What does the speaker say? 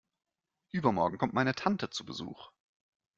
Übermorgen kommt meine Tante zu Besuch.